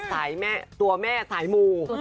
สายแม่ตัวแม่สายมู